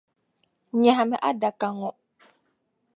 Nyɛhimi adaka ŋɔ.